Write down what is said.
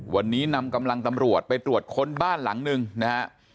วันนี้นำกำลังตำรวจไปตรวจค้นบ้านหลังหนึ่งนะฮะ